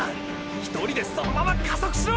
一人でそのまま加速しろ！！